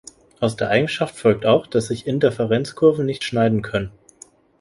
Aus der Eigenschaft folgt auch, dass sich Indifferenzkurven nicht schneiden können.